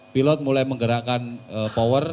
pilot mulai menggerakkan power